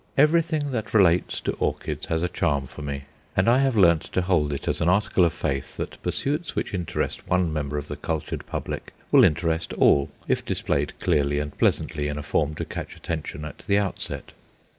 Everything that relates to orchids has a charm for me, and I have learned to hold it as an article of faith that pursuits which interest one member of the cultured public will interest all, if displayed clearly and pleasantly, in a form to catch attention at the outset.